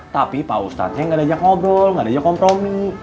tapi pak ustadznya gak ada yang ngobrol gak ada yang kompromi